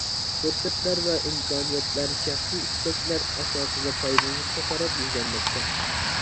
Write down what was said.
پۇرسەتلەر ۋە ئىمكانىيەتلەر شەخسىي ئىستەكلەر ئاساسىدا پايدىلىنىشقا قاراپ يۈزلەنمەكتە.